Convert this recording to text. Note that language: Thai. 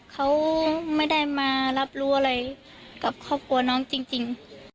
เขาไม่ได้มารับรู้อะไรกับครอบครัวน้องจริง